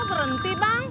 kok berhenti bang